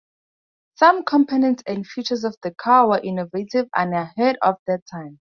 Some components and features of the car were innovative and ahead of their time.